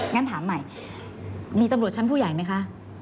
งั้นถามใหม่มีตำรวจชั้นผู้ใหญ่ไหมคะ